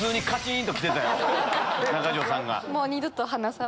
中条さんが。